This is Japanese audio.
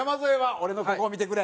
「俺のココを見てくれ！！」。